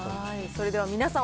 それでは皆さん